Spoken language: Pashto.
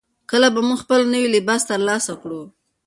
کله به موږ خپل نوی لباس ترلاسه کړو؟